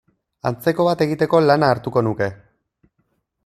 Antzeko bat egiteko lana hartuko nuke.